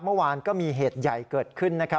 เมื่อวานก็มีเหตุใหญ่เกิดขึ้นนะครับ